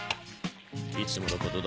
いつものことだ。